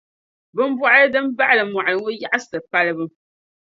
Bimbɔɣili din baɣili mɔɣili ku yaɣisi palibu.